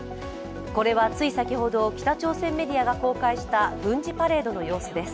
これはつい先ほど北朝鮮メディアが公開した軍事パレードの様子です。